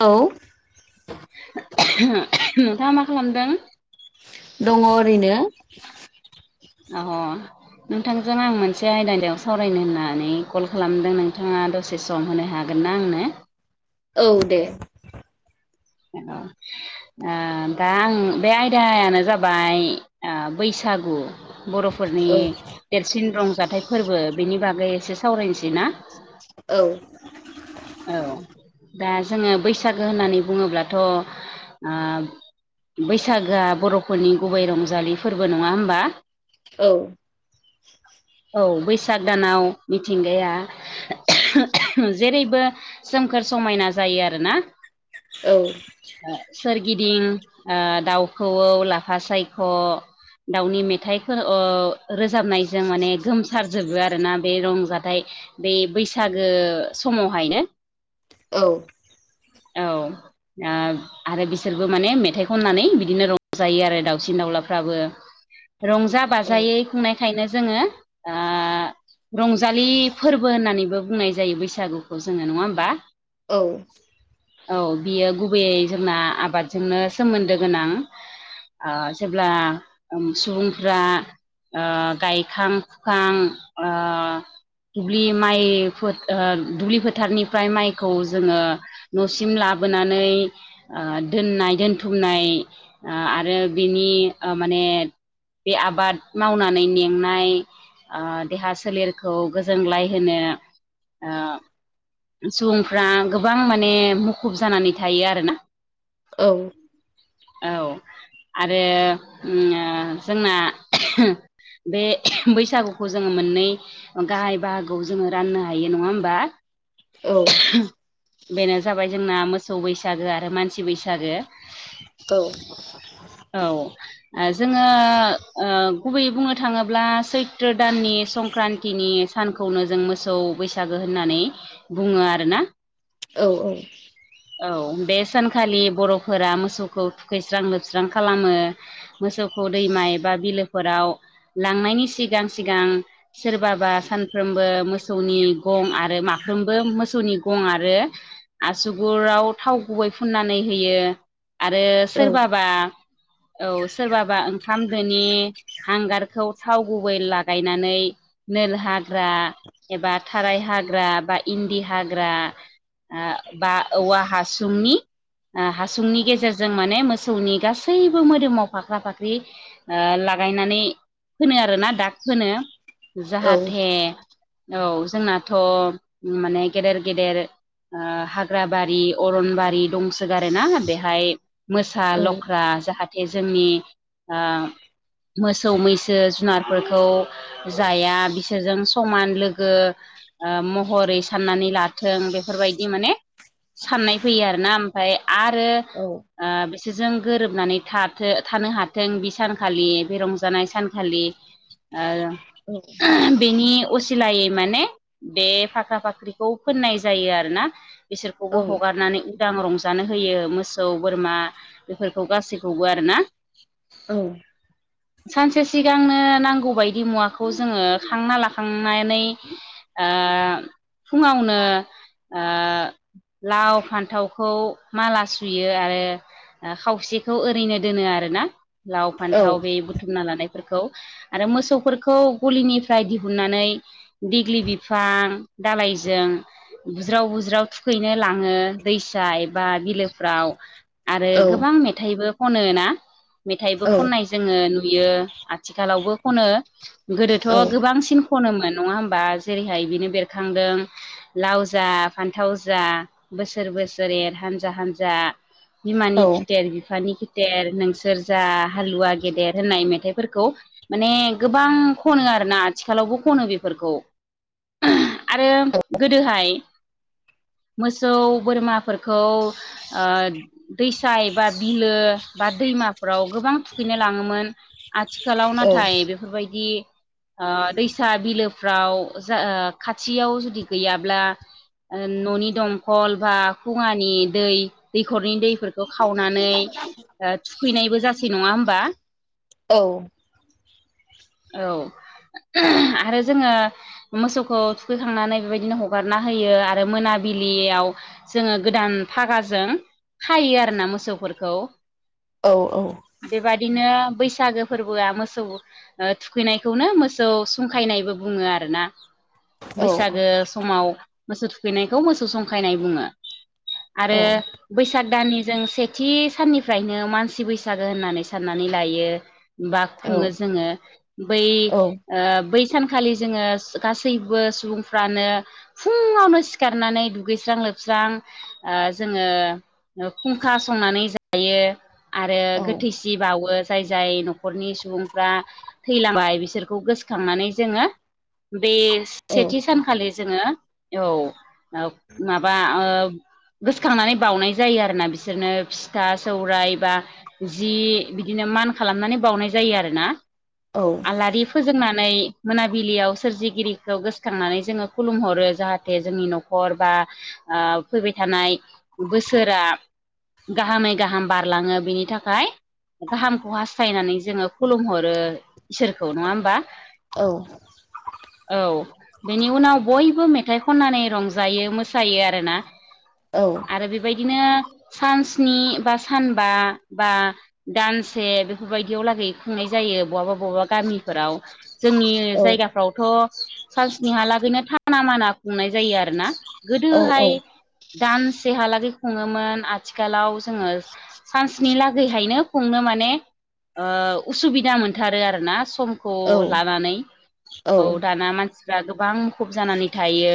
औ नोंथाङा मा खालामदों दङ ओरैनो अ नोंथांजों आं मोनसे आयदानिायाव सावरायनो होननानै कल खालामदों नोंथाङा दसे एसे सम होनो हागोन ना आंनो औ दे औ दा आं बे आयदायानो जाबाय बैसागु बर'फोरनि देरसिन रंजाथाइ फोरबो बेनि बागै एसे सावरायनोसै ना औ औ दा जोङो बैसागो होननानै बुङोब्लाथ' ओ बैसागोआ बर'फोरनि गुबै रंजालि फोरबो नङा होमबा औ [inaudible] औ बैसाग दानाव मिथिंगाया जेरैबो सोमखोर समायना जायो आरोना औ सोरगिदिं दाउखौ लाफा सायख' दाउनि मेथाइफोर रोजाबनायजों माने गोमसारजोबो आरोना बे रंजाथाइ बे बैसागो समावहायनो औ औ आ आरो बिसोरबो माने मेथाइ खननानै बिदिनो रंजायो आरो दाउसिन दाउलाफ्राबो रंजा बाजायै खुंनायखायनो जोङो रंजालि फोरबो होननानैबो बुंनाय जायो बैसागुखौ जोङो नङा होमबा औ औ बियो गुबैयै जोंना आबादजोंनो सोमोन्दो गोनां जेब्ला सुबुंफ्रा ओ गायखां फुखां ओ दुब्लि माइ दुब्लि फोथारनिफ्राय माइखौ जोङो न'सिम लाबोनानै दोननाय दोनथुमनाय आरो बिनि माने बे आबाद मावनानै मेंनाय देहा सोलेरखौ गोजोनलाय होनो सुबुंफ्रा गोबां माने मुखुब जानानै थायो आरोना औ औ आरो जोंना बे बैसागुखौ जोङो मोननै गाहाय बाहागोआव जोङो राननो हायो नङा होमबा? औ बेनो जाबाय जोंना मोसौ बैसागो आरो मानसि बैसागो। औ [inaudible] औ जोङो ओ गुबैयै बुंनो थाङोब्ला सैथ्र दाननि संक्रान्तिनि सानखौनो जों मोसौ बैसागो होननानै बुङो आरोना औ औ औ बे सानखालि बर'फोरा मोसौखौ थुखैस्रां लोबस्रां खालामो मोसौखौ दैमा बबा बिलोफोराव लांनायनि सिगां सिगां सोरबाबा सानफ्रोमबो मोसौनि गं आरो माफ्रोमबो मोसौनि गं आरो आसुगुराव थाव गुबै फुननानै होयो आरो सोरबाबा औ सोरबाबा ओंखाम दोनि हांगारखौ थाव गुबै लागायनानै नेल हाग्रा एबा थाराय हाग्रा बा इन्दि हाग्रा बा औवा हासुमनि हासुंनि गेजेरजों माने मोसौनि गासैबो मोदोमाव फाख्रा फाख्रि लागायनानै फोनो आरोना दा फोनो। जाहाथे औ जोंनाथ' माने गेदेर गेदेर हाग्राबारि अरनबारि दंसोगार ना बेहाय मोसा लख्रा जाहाथे जोंनि मोसौ मैसो जुनारफोरखौ जाया बिसोरजों समान लोगो ओ महरै साननानै लाथों बेफोरबायदि माने साननाय फैयो आरोना ओमफफ्राय आरो ओ बिसोरजों गोरोबनानै थाथों थानो हाथों बि सानखालि बे रंजानाय सान खालि आ औ बेनि असिलायै माने बे फाख्रा फाख्रिखौ फोननाय जायो आरोना बिसोरखौबो हगारनानै उदां रंजानो होयो मोसौ बोरमा। बेफोरखौ गासैखौबो आरोना। औ सानसे सिगांनो नांगौ बायदि मुवाखौ जोङो खांना लाखांनानै ओ फुङावनो। ओ लाव फान्थावखौ माला सुयो आरो। खावसेखौ ओरैनो दोनो आरोना लाव फान्थाव बे बुथुमना लानाय फोरखौ आरो मोसौफोरखौ गलिनिफ्राय दिहुननानै। दिग्लि बिफां दालायजों बुज्राव बुज्राव थुखैनो लाङो दैसा बा बिलोफ्राव आरो गोबां मेथाइबो खनो ना मेथाइबो खननाय जोङो नुयो आथिखालावबो खनो गोदोथ' गोबांसिन खनोमोन नङा होमबा जेरैहाय बिनो बेरखांदों लाव जा फान्थाव जा बोसोर बोसोर हानजा हानजा। बिमानि खिथेर बिफानि खिथेर नोंसोर जा हालुवा गेदेर होननाय मेथाइफोरखौ माने गोबां खनो आरोना आथिखालावबो खनो बेफोरखौ। आरो गोदोहाय मोसौ बोरमाफोरखौ दैसा बा बिलो बा दैमाफोराव गोबां थुखैनो लाङोमोन आथिखाल आथिखालाव नाथाय बेफोरबायदि ओ दैसा बिलोफ्राव जा खाथियाव जुदि गैयाब्ला न'नि दंखल बा खुङानि दै दैखरनि दैफोरखौ खावनानै थुखैनायबो जासै नङा होमबा? औ। औ। आरो जोङो मोसौखौ थुखैखांनानै बेबायदिनो हगारना होयो आरो मोनाबिलियाव जोङो गोदान फागाजों खायो आरोना मोसौफोरखौ। औ औ बेबादिनो बैसागो फोरबोआ मोसौ थुखैनायखौनो मोसौ संखायनायबो बुङो आरो ना। बैसागो समाव मोसौ थुखैनायखौ मोसौ संखायनाय बुङो। आरो बैसाग दाननि जों सेथि साननिफ्रायनो मानसि बैसागो होननानै साननानै लायो। बा खुङो जोङो बै ओ बै सानखालि जोङो गासैबो सुबुंफ्रानो फुङावनो सिखारनानै दुगैस्रां लोबस्रां ओ जोङो खुंखा संनानै जायो आरो गोथैसि बावो जाय जाय न'खरनि सुबुंफ्रा थैलांबाय बिसोरखौ गोसोखांनानै जोङो बे सेथि सानखालि जोङो औ ओ माबा ओ गोसोखांनानै बावनाय जायो आरोना बिसोरनो फिथा सौराय बा जि बिदिनो मान खालामनानै बावनाय जायो आरोना। आलारि फोजोंनानै मोनाबिलियाव सोरजिगिरिखौ गोसोखांनानै जोङो खुलुमहरो। जाहाथे जोंनि न'खर बा ओ फैबाय थानाय बोसोरा गाहामै गाहाम बारलाङो बिनि थाखाय गाहामखौ हास्थायनानै जोङो खुलुमहरो इसोरखौ नङा होमबा? औ। औ बेनि उनाव बयबो मे थाइ खननानै रंजायो मोसायो आरोना आरो बेबायदिनो सान स्नि बा सानबा बा दानसे बेफोरबायदियाव लागै खुंनाय जायो बबहाबा बबबा गामिफोराव। जोंनि जायगाफ्रावथ' चानस्निहालागैनो थाना माना खुंनाय जायो आरो ना गोदोहाय दानसेहालागै खुङोमोन आथिखालाव जोङो सानस्निलागैहायनो खुंनो माने उसुबिदा मोनथारो आरोना सम खौ लानानै औ दाना मानसिफ्रा गोबां मुखुब जानानै था थायो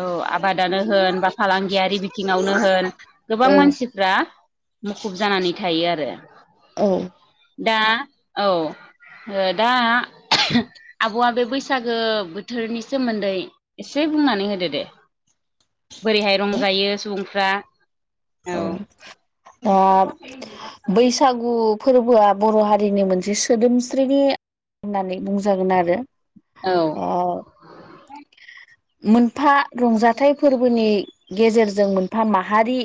औ आबादानो होन बा फालांगियारि बिथिङावनो होन गोबां मानसिफ्रा मुखुब जानानै थायो आरो दा औ दा आब'आ बे बैसागो बोथोरनि सोमोन्दै एसे बुंनानै होदो दे बोरैहाय रंजायो सुबुंफ्रा औ। [unintelligible] बैसागु फोरबोआ बर' हारिनि मोनसे सोदोमस्रिनि होननानै बुंजागोन आरो औ ओ [inaudible] मोनफा रंजाथाइ फोरबोनि गेजेरजों मोनफा माहारि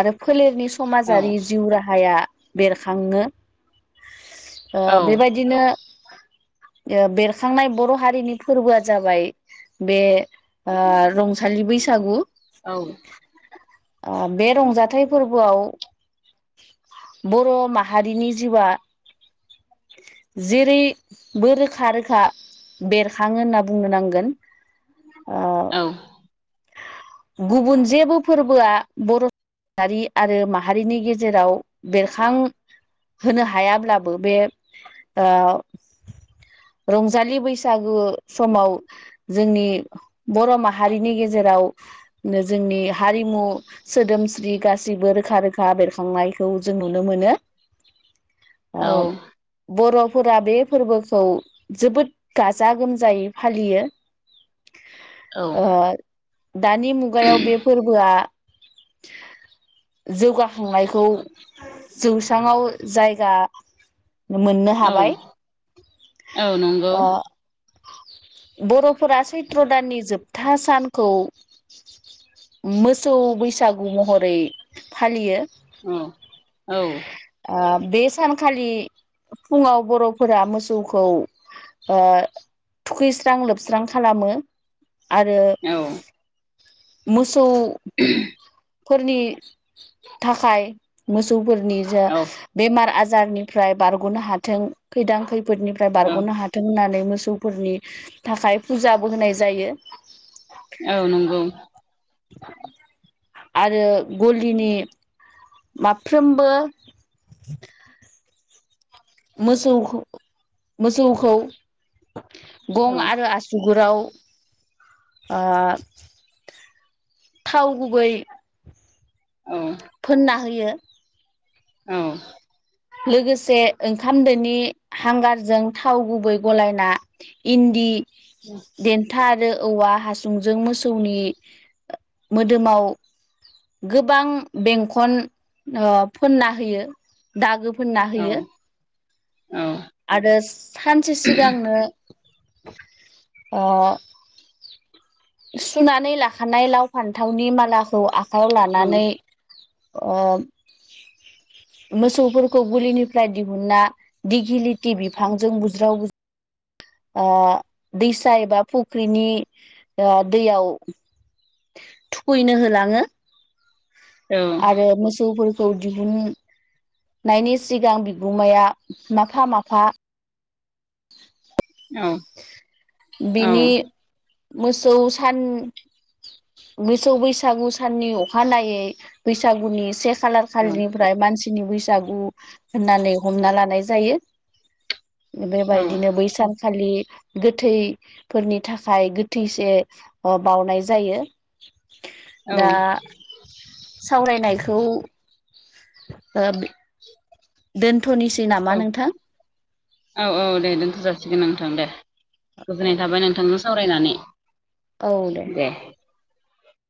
आरो फोलेरनि औ समाजारि जिउ राहाया बेरखाङो। ओ औ बेबायदिनो ओ बेरखांनाय बर' हारिनि फोरबोआ जाबाय बे ओ रंसालि बैसागु। औ ओ बे रंजाथाइ फोरबोआव बर' माहारिनि जिउआ जेरैबो रोखा रोखा बेरखाङो होनना बुंनो नांगोन ओ औ गुबुन जेबो फोरबोआ बर' हारि आरो माहारिनि गेजे जेराव बेरखां होनो हायाब्लाबो बे ओ रंजालि बैसागु समाव जोंनि बर' माहारिनि गेजेराव जोंनि हारिमु सोदोमस्रि गासिबो रोखा रोखा बेरखा थांनायखौ जों नुनो मोनो ओ औ बर'फोरा बे फोरबोखौ जोबोद गाजा गोमजायै फालियो औ ओ दानि मुगायाव बे फोरबोआ जौगा संनायखौ जौस्रांआव जायगा मोननो हाबाय औ नंगौ ओ बर'फोरा सैत्र' दाननि जोबथा सानखौ मोसौ बैसागु महरै फालियो औ औ बे सानखालि फुङाव बर'फोरा मोसौखौ ओ थुखैस्रां लोबस्रां खालामो आरो मोसौफोरनि थाखाय मोसौफोरनि जा औ बेमार आजारनिफ्राय बारग'नो हाथों खैदां खैफोदनिफ्राय औ बारग'नो हाथों फों होननानै मोसौफोरनि थाखाय फुजाबो होनाय जायो औ नंगौ आरो गलिनि माफ्रोमबो मोसौ मोसौखौ औ गं आरो आस ओ बिुगुराव थाव गुबै फोनना होयो औ लोगोसे ओंखाम दोनि हांगारजों थाव गुबै गलायना हन्दी उ देन्था आरो औवा हासुंजों मोसौनि मोदोमाव गोबां बेंखन फोनना होयो दागो फोनना औ होयो औ आरो सानसे सिगांनो ओ सुनानै लाखानाय लाव फान्थावनि मालाखौ आखाइायाव औ लानानै अ मोसौफोरखौ गुलिनिफ्राय दिहुनना दिगिलिथि बिफांजों बुज्रावज ओ दैसा एबा फुख्रिनि ओ दैयाव थुखैनो होलाङो औ आरो मोसौफोरखौ दिहुन नायनि सिगां बिगोमाया माफा माफा बिनि मोसौ सान मोसौ बैसागु साननि अखानायै बैसागुनि से खालार खालिनिफ्राय मानसिनि बैसागु होननानै हमना लानाय जायो औ बेबायदिनो बै सानखालि गोथैफोरनि थाखाय गोथैसे बावनाय जायो दा सावरायनायखौ दोनथ'नोसै नामा नोंथां? औ औ दे दोनथ' जासिगोन नोंथां दे औ गोजोननाय दे थाबाय नोंथांजों सावरायनानै औ दे